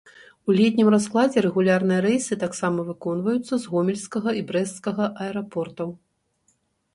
У летнім раскладзе рэгулярныя рэйсы таксама выконваюцца з гомельскага і брэсцкага аэрапортаў.